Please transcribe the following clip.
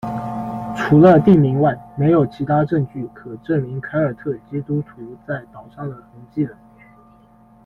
除了地名外，没有其他证据可证明凯尔特基督徒在岛上的痕迹了。